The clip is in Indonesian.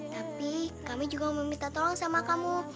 tapi kami juga mau minta tolong sama kamu